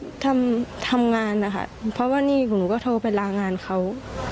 ก็ทำงานนะคะเพราะว่านี่ของหนูก็โทรไปลางานเขา